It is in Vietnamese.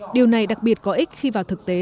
điều này đặc biệt có ích khi vào thực tế